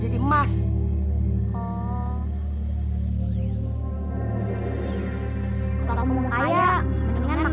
kita gak salah lihat